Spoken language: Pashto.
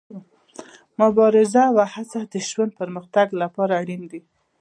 مبارزه او هڅه د ژوند د پرمختګ لپاره اړینه ده.